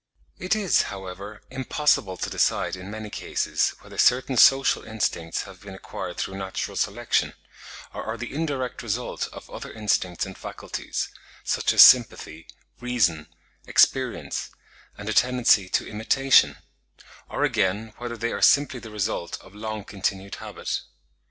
It is, however, impossible to decide in many cases whether certain social instincts have been acquired through natural selection, or are the indirect result of other instincts and faculties, such as sympathy, reason, experience, and a tendency to imitation; or again, whether they are simply the result of long continued habit.